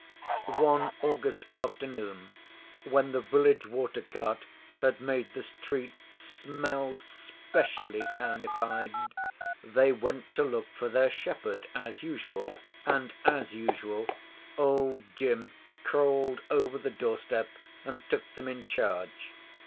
One August afternoon when the village water cart had made the street smell specially townified, they went to look for their shepherd as usual, and, as usual, Old Jim crawled over the doorstep and took them in charge.